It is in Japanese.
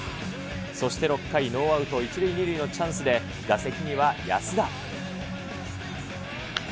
そして６回、ノーアウト一塁二塁のチャンスで、打席には安田。